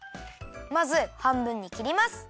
まずはんぶんにきります。